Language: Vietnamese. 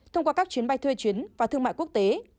thông qua các chuyến bay thuê chuyến và thương mại quốc tế